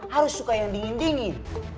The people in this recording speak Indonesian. harus suka yang dingin dingin